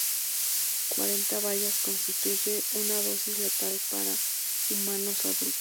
Cuarenta bayas constituye una dosis letal para humanos adultos.